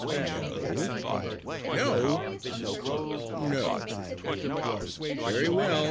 "No!" "No?" "No!" "Very well!"